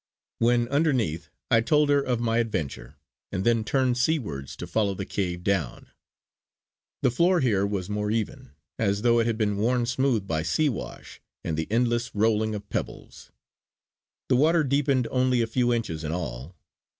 When underneath, I told her of my adventure, and then turned seawards to follow the cave down. The floor here was more even, as though it had been worn smooth by sea wash and the endless rolling of pebbles. The water deepened only a few inches in all.